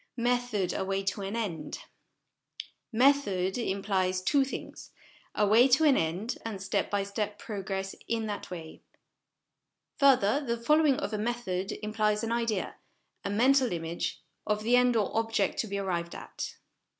Method a Way to an End. Method implies two things a way to an end, and step by step progress in that way. Further, the following of a method implies an idea, a mental image, of the end or object to be arrived at.